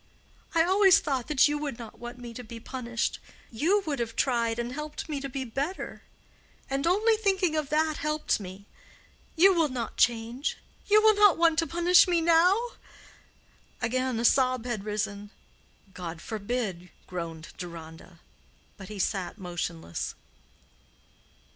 I always thought that you would not want me to be punished—you would have tried and helped me to be better. And only thinking of that helped me. You will not change—you will not want to punish me now?" Again a sob had risen. "God forbid!" groaned Deronda. But he sat motionless.